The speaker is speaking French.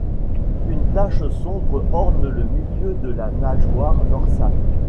Une tache sombre orne le milieu de la nageoire dorsale.